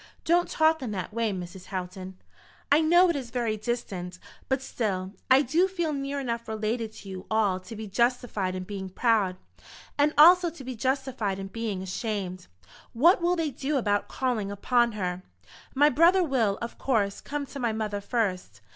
"Don't talk in that way, Mrs. Houghton." "I know it is very distant; but still, I do feel near enough related to you all to be justified in being proud, and also to be justified in being ashamed. What will they do about calling upon her?" "My brother will, of course, come to my mother first.